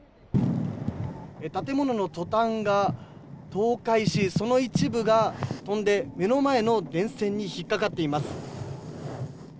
建物のトタンが倒壊しその一部が飛んで目の前の電線に引っかかっています。